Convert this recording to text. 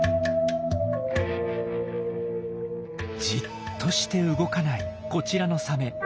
じっとして動かないこちらのサメ。